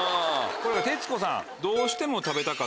これは徹子さん。